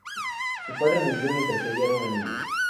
Su padre murió mientras ella era una niña.